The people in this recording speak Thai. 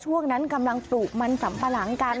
ช่วงนั้นกำลังปลูกมันสัมปะหลังกัน